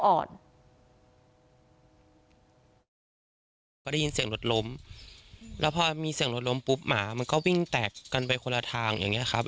เราก็ได้ยินเสียงรถล้มแล้วพอมีเสียงรถล้มปุ๊บหมามันก็วิ่งแตกกันไปคนละทางอย่างเงี้ครับ